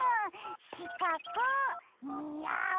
しかくにあう。